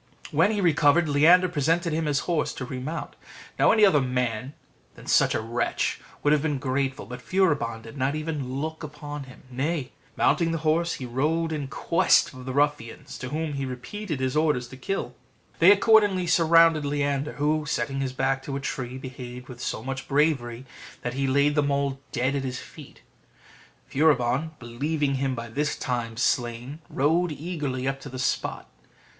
When he recovered, Leander presented him his horse to remount. Now, any other than such a wretch would have been grateful: but Furibon did not even look upon him: nay, mounting the horse, he rode in quest of the ruffians, to whom he repeated his orders to kill him. They accordingly surrounded Leander, who, setting his back to a tree, behaved with so much bravery, that he laid them all dead at his feet. Furibon, believing him by this time slain, rode eagerly up to the spot.